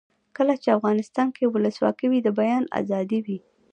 کله چې افغانستان کې ولسواکي وي د بیان آزادي وي.